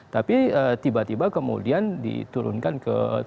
tapi tiba tiba kemudian diturunkan ke